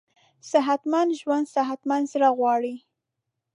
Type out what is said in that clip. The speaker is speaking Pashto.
صحتمند ژوند صحتمند زړه غواړي.